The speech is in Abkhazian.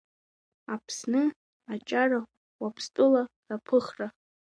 Аԥсны, Аҷара, Уаԥстәыла раԥыхра.